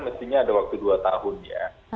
mestinya ada waktu dua tahun ya